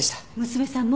娘さん